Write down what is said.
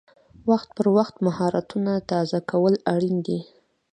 وخت پر وخت مهارتونه تازه کول اړین دي.